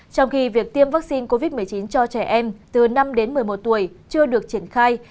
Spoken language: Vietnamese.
trong khi việc tiêm vaccine covid một mươi chín cho trẻ em từ năm đến một mươi một tuổi chưa được triển khai